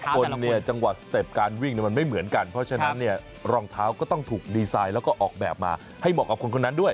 คนเนี่ยจังหวะสเต็ปการวิ่งมันไม่เหมือนกันเพราะฉะนั้นเนี่ยรองเท้าก็ต้องถูกดีไซน์แล้วก็ออกแบบมาให้เหมาะกับคนคนนั้นด้วย